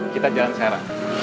kita jalan secara